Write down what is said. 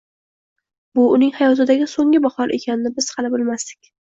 Bu uning hayotidagi so’nggi bahor ekanini biz hali bilmasdik…